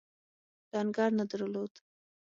لنګر نه درلود.